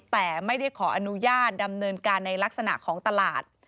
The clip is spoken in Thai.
แต่ไม่ได้ขออนุญาตดำเนินการในลักษณะของตลาด